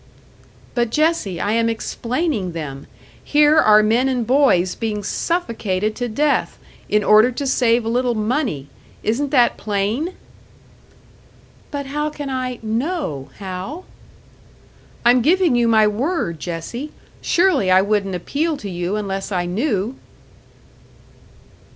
"But, Jessie, I am explaining them! Here are men and boys being suffocated to death, in order to save a little money. Isn't that plain?" "But how can I know, Hal?" "I'm giving you my word, Jessie. Surely I wouldn't appeal to you unless I knew."